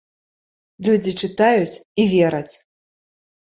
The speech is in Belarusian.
Людзі чытаюць і вераць.